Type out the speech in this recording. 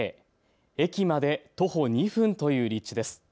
駅まで徒歩２分という立地です。